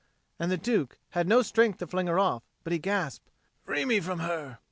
And the Duke had no strength to fling her off, but he gasped, "Free me from her!"